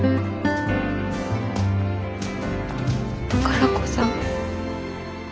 宝子さん。